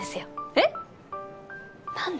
えっ⁉何で？